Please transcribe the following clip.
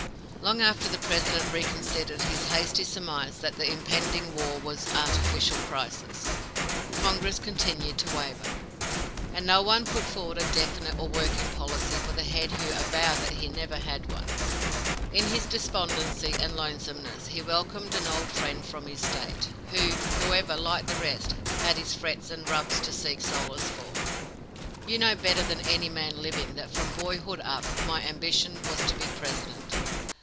Long after the President reconsidered his hasty surmise that the impending war was "artificial crisis," Congress continued to waver, and no one put forward a definite and working policy for the head who avowed that he never had one. In his despondency and lonesomeness, he welcomed an old friend from his State, who, however, like the rest, had his frets and rubs to seek solace for. "You know better than any man living that, from my boyhood up, my ambition was to be President.